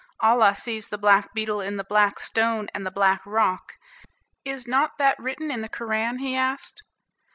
"Allah sees the black beetle in the black stone, and the black rock. Is not that written in the Koran?" he asked.